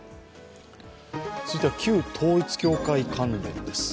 続いては旧統一教会関連です。